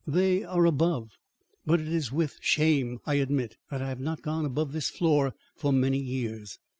"They are above; but it is with shame I admit that I have not gone above this floor for many years.